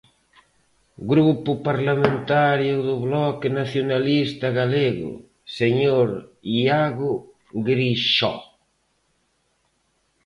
Grupo Parlamentario do Bloque Nacionalista Galego, señor Iago Grixó.